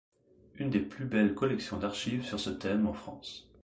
Une des plus belles collections d'archives sur ce thème en France.